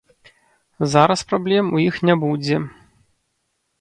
Зараз праблем у іх не будзе.